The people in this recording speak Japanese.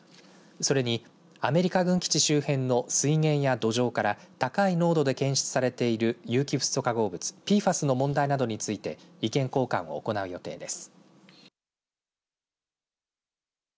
それにアメリカ軍基地周辺の水源や土壌から高い濃度で検出されている有機フッ素化合物ＰＦＡＳの問題などについて意見交換を行う予定です。